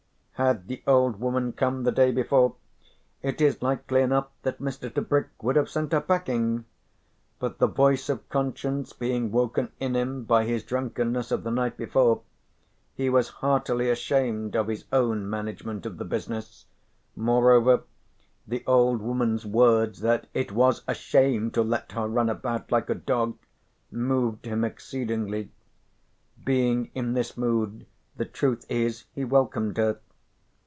Had the old woman come the day before it is likely enough that Mr. Tebrick would have sent her packing. But the voice of conscience being woken in him by his drunkenness of the night before he was heartily ashamed of his own management of the business, moreover the old woman's words that "it was a shame to let her run about like a dog," moved him exceedingly. Being in this mood the truth is he welcomed her.